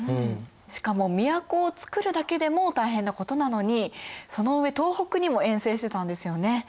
しかも都をつくるだけでも大変なことなのにその上東北にも遠征してたんですよね。